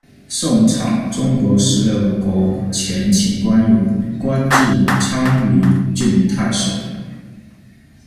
宋敞，中国十六国前秦官员，官至昌黎郡太守。